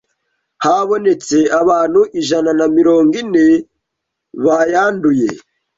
habonetse abantu ijana na mirongo ine bayanduye,